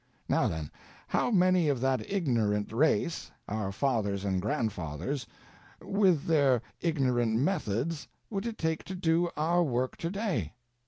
Now then, how many of that ignorant race—our fathers and grandfathers—with their ignorant methods, would it take to do our work to day?